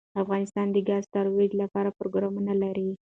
افغانستان د ګاز د ترویج لپاره پروګرامونه لري.